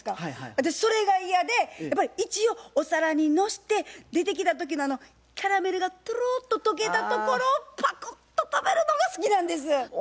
私それが嫌でやっぱり一応お皿にのして出てきた時のあのキャラメルがトゥルッと溶けたところをパクッと食べるのが好きなんです。